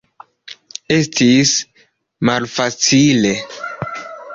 Estis malfacile.